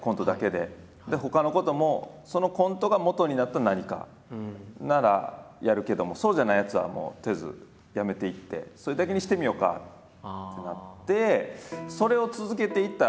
でほかのこともそのコントがもとになった何かならやるけどもそうじゃないやつはもうとりあえずやめていってそれだけにしてみようかってなって。